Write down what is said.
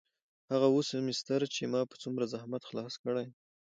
هغه اووه سمستره چې ما په څومره زحمت خلاص کړل.